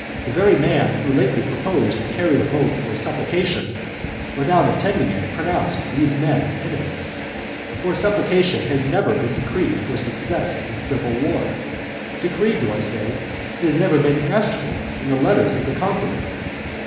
The very man who lately proposed and carried a vote for a supplication, without intending it pronounced those men enemies; for a supplication has never been decreed for success in civil war. Decreed, do I say? It has never even been asked for in the letters of the conqueror.